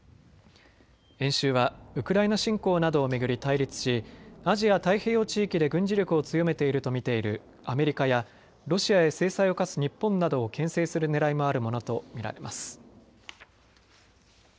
演習はウクライナ侵攻などを巡り対立しアジア太平洋地域で軍事力を強めていると見ているアメリカやロシアへ制裁を科す日本などをけん制するねらいもあるものと見られます。